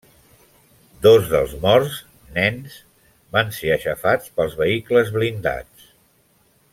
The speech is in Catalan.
Dos dels morts, nens, van ser aixafats pels vehicles blindats.